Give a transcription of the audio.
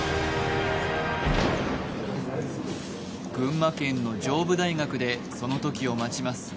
群馬県の上武大学でその時を待ちます